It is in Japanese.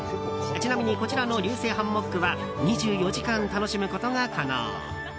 ちなみにこちらの流星ハンモックは２４時間楽しむことが可能。